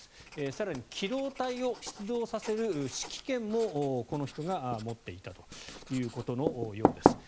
更に機動隊を出動させる指揮権もこの人が持っていたということのようです。